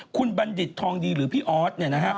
คุณบัณฑิตทองดีหรือพี่ออสเนี่ยนะฮะ